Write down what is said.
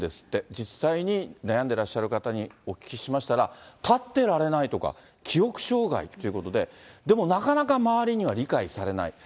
実際に悩んでらっしゃる方にお聞きしましたら、立ってられないとか、記憶障害ということで、でもなかなか周りには理解されない。